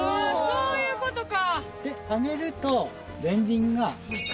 そういうことか！